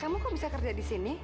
kamu kok bisa kerja di sini